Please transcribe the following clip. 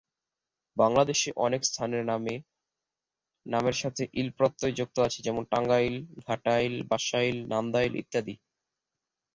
বাংলাদেশে অনেক স্থানের নামের সাথে ইল প্রত্যয় যুক্ত আছে যেমন টাঙ্গাইল, ঘাটাইল, বাসাইল, নান্দাইল ইত্যাদি।